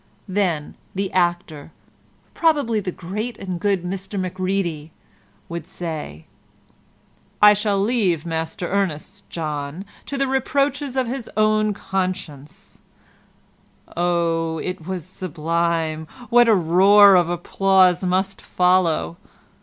Then the actor—probably the great and good Mr Macready—would say, "I shall leave Master Ernest, John, to the reproaches of his own conscience." Oh, it was sublime! What a roar of applause must follow!